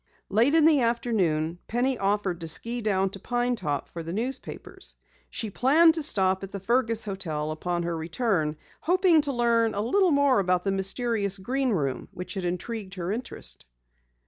Late in the afternoon Penny offered to ski down to Pine Top for the newspapers. She planned to stop at the Fergus hotel upon her return, hoping to learn a little more about the mysterious Green Room which had intrigued her interest.